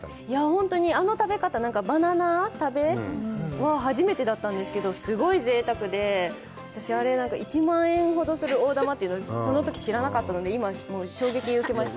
本当にあの食べ方、バナナ食べは初めてだったんですけど、すごいぜいたくで、私あれ、１万円ほどする大玉ってそのとき知らなかったので、今、衝撃を受けました。